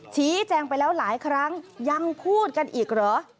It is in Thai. ชี้แจงไปแล้วหลายครั้งยังพูดกันอีกเหรอ